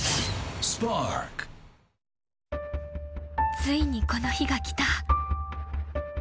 ついにこの日がきた。